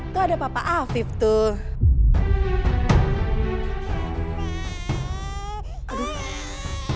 tuh ada papa afif tuh